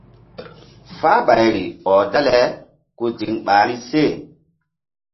Fahɓayri ɔh dale ku ziŋ ɓahri se.